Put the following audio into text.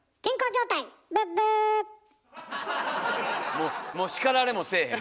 もう叱られもせえへん。